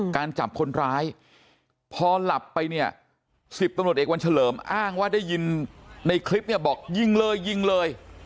การจับคนร้ายพอหลับไปเนี่ย๑๐ตำรวจเอกวันเฉลิมอ้างว่าได้ยินในคลิปเนี่ยบอกยิงเลยยิงเลย